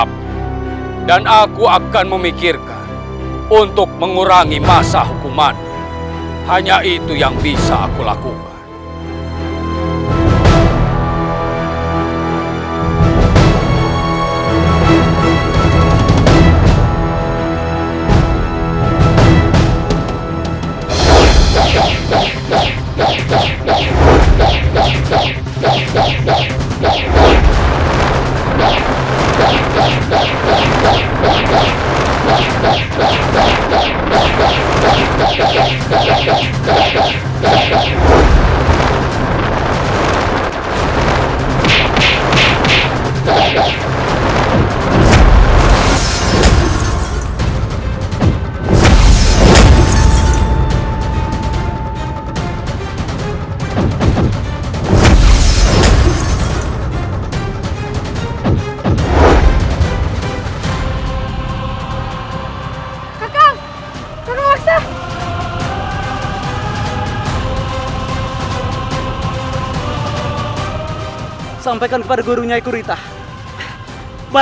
pasti menggongkar siapa aku sebenarnya